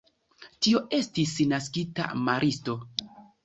Tio estis naskita maristo.